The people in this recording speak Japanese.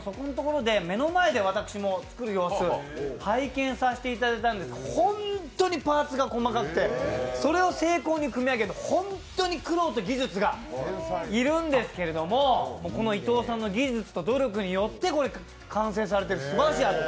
で、目の前で私、作る様子を拝見したんですけれども本当にパーツが細かくてそれを精巧にくみ上げるのはホントに苦労と技術が要るんですけれども、伊藤さんの技術と努力によって完成されているすばらしいアート。